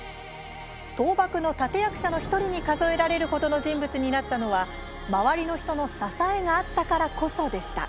倒幕の立て役者の１人に数えられるほどの人物になったのは周りの人の支えがあったからこそでした。